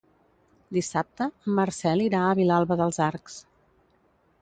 Dissabte en Marcel irà a Vilalba dels Arcs.